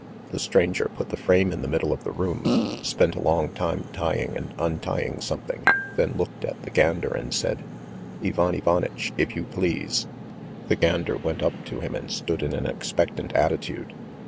The stranger put the frame in the middle of the room, spent a long time tying and untying something, then looked at the gander and said: "Ivan Ivanitch, if you please!" The gander went up to him and stood in an expectant attitude.